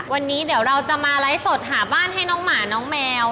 วันนี้เดี๋ยวเราจะมาไลฟ์สดหาบ้านให้น้องหมาน้องแมว